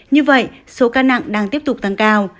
như vậy số ca nặng đang tiếp tục tăng cao